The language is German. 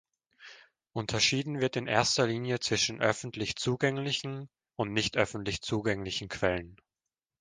Unterschieden wird in erster Linie zwischen öffentlich zugänglichen und "nicht" öffentlich zugänglichen Quellen.